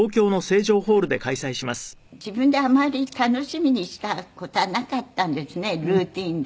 自分であまり楽しみにした事はなかったんですねルーチンで。